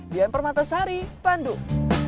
dian permatasari bandung